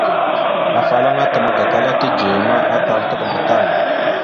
Afalaŋa təmak gatala tidzeya ma, atal taɗəba tal.